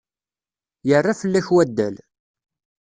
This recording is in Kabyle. Yerra fell-ak wadal.